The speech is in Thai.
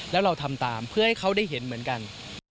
แล้วเราทำตามเพื่อให้เขาได้เห็นเหมือนกัน